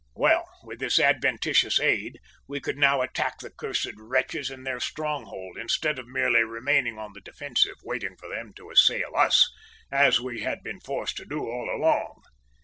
"Why, with this adventitious aid, we could now attack the cursed wretches in their stronghold, instead of our merely remaining on the defensive, waiting for them to assail us, as we had been forced to do all along!